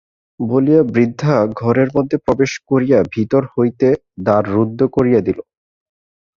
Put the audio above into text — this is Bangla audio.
বলিয়া বৃদ্ধা ঘরের মধ্যে প্রবেশ করিয়া ভিতর হইতে দ্বার রুদ্ব করিয়া দিল।